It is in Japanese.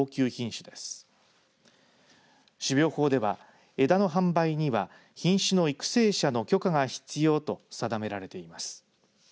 種苗法では枝の販売には品種の育成者の許可が必要と定められています。